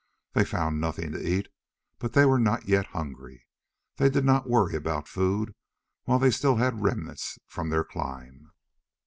They found nothing to eat, but they were not yet hungry. They did not worry about food while they still had remnants from their climb.